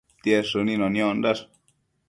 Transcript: Tied shënino niondash